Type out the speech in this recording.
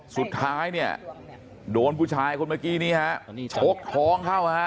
สุดท้ายเนี่ยโดนผู้ชายคนเมื่อกี้นี้ฮะชกท้องเข้าฮะ